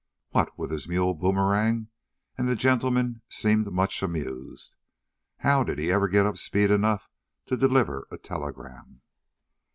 "What, with his mule, Boomerang?" and the gentleman seemed much amused. "How did he ever get up speed enough to deliver a telegram?"